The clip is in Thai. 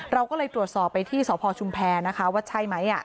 เราก็เลยตรวจสอบไปที่สพชุมแพรนะคะว่าใช่ไหม